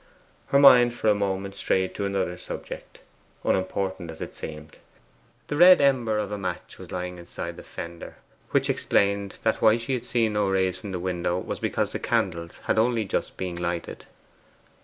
Her mind for a moment strayed to another subject, unimportant as it seemed. The red ember of a match was lying inside the fender, which explained that why she had seen no rays from the window was because the candles had only just been lighted.